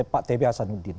pak t b hasanuddin